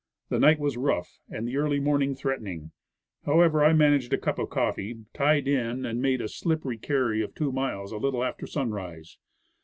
The night was rough, and the early morning threatening. However, I managed a cup of coffee, "tied in," and made a slippery carry of two miles a little after sunrise.